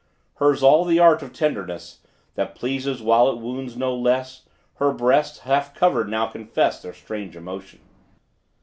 Her's all the art of tenderness, That pleases while it wounds no less: Her breasts, half covered, now confess Their strange emotion.